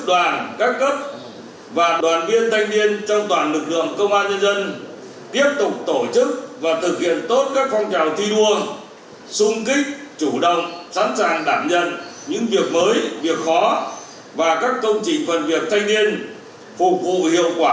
thời gian tới mỗi cán bộ đoàn viên thanh niên trong lực lượng công an nhân dân cần nhận thức sâu sắc mọi nhiệm vụ được giao trong mọi nơi mọi lúc và trong mọi tình huống